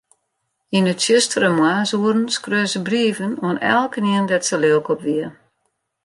Yn 'e tsjustere moarnsoeren skreau se brieven oan elkenien dêr't se lilk op wie.